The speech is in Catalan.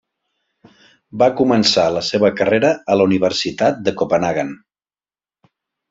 Va començar la seva carrera a la universitat de Copenhaguen.